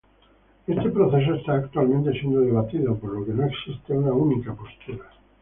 Este proceso está actualmente siendo debatido, por lo que no existe una única postura.